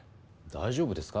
大丈夫ですか？